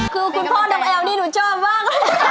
คือคุณพ่อน้องแอลนี่หนูชอบมาก